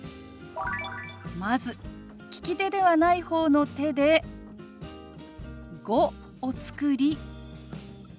まず利き手ではない方の手で「５」を作り